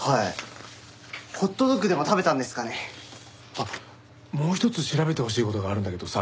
あっもう一つ調べてほしい事があるんだけどさ。